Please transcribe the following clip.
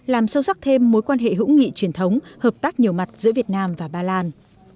làm sâu sắc thêm mối quan hệ hữu nghị truyền thống hợp tác nhiều mặt giữa việt nam và ba lan